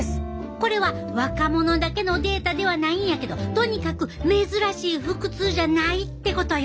これは若者だけのデータではないんやけどとにかく珍しい腹痛じゃないってことよ。